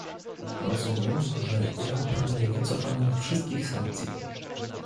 Rozumiem, że Iran pragnie wycofania wszystkich sankcji